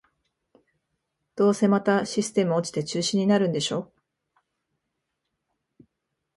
どうせまたシステム落ちて中止になるんでしょ